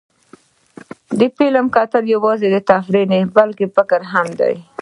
د فلم کتل یوازې تفریح نه، بلکې فکر هم دی.